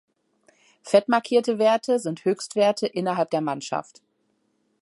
Fett markierte Werte sind Höchstwerte innerhalb der Mannschaft.